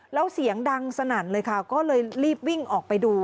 แล้วเสียงดังสนั่นเลยค่ะก็เลยรีบวิ่งออกไปดู